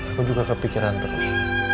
aku juga kepikiran terus